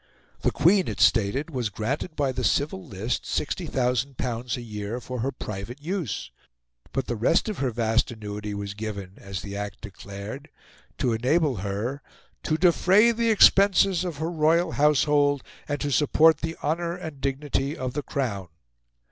The Queen, it stated, was granted by the Civil List L60,000 a year for her private use; but the rest of her vast annuity was given, as the Act declared, to enable her "to defray the expenses of her royal household and to support the honour and dignity of the Crown."